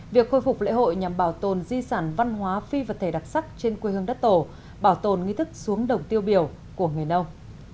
việc khôi phục lễ hội nhằm bảo tồn di sản văn hóa phi vật thể đặc sắc trên quê hương đất tổ bảo tồn nghi thức xuống đồng tiêu biểu của người nông